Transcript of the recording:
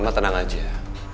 mama tenang aja